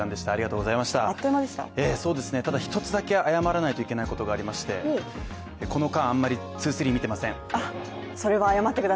ただ一つだけ謝らないといけないことがありましてこの間あんまり「ｎｅｗｓ２３」見てません。